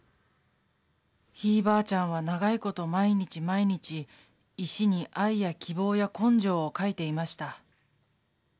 ひいばあちゃんは長いこと毎日毎日石に「愛」や「希望」や「根性」を書いていました。